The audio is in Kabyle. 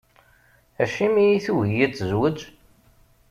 Acimi i tugi ad tezweǧ?